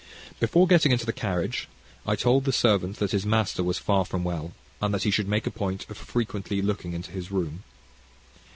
Before getting into the carriage I told the servant that his master was far from well, and that he should make a point of frequently looking into his room.